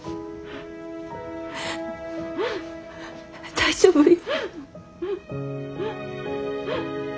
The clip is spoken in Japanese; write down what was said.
大丈夫よ。